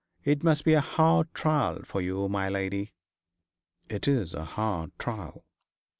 It must be a hard trial for you, my lady.' 'It is a hard trial.'